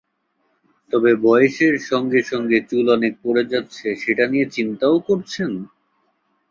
তবে বয়সের সঙ্গে সঙ্গে চুল অনেক পড়ে যাচ্ছে, সেটা নিয়ে চিন্তাও করছেন।